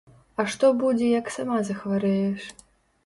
А што будзе, як сама захварэеш?